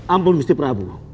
ampun gusti prabu